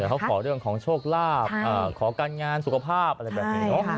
แต่เขาขอเรื่องของโชคลาภขอการงานสุขภาพอะไรแบบนี้เนอะ